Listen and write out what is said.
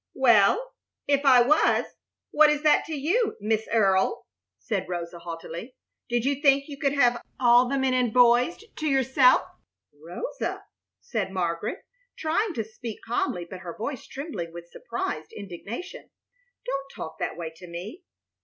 "Well, if I was, what is that to you, Miss Earle?" said Rosa, haughtily. "Did you think you could have all the men and boys to yourself?" "Rosa," said Margaret, trying to speak calmly, but her voice trembling with suppressed indignation, "don't talk that way to me.